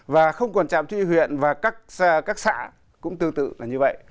và không còn trạm thuy huyện và các xã cũng tương tự là như vậy